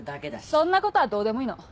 そんなことはどうでもいいの。